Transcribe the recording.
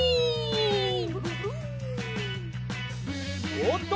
おおっと！